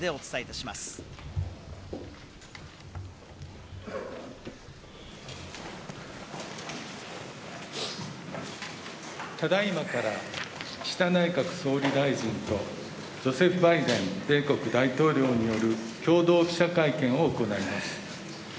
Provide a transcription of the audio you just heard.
ただ今から、岸田内閣総理大臣とジョセフ・バイデン米国大統領による共同記者会見を行います。